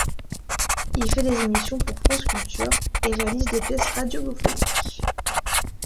Il fait des émissions pour France Culture, et réalise des pièces radiophoniques.